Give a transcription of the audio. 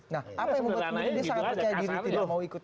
nah apa yang membuat kemudian dia sangat percaya diri tidak mau ikut